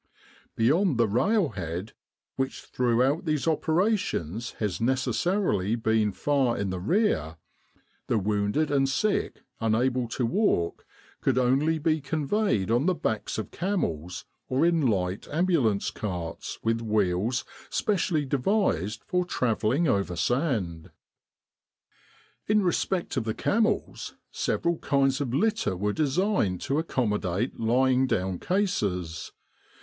Beyond the rail headwhich throughout these operations has neces sarily been far in the rear the wounded and sick unable to walk could only be conveyed on the backs of camels or in light ambulance carts with wheels specially devised for travelling over sand. In respect of the camels, several kinds of litter were designed to accommodate lying down cases.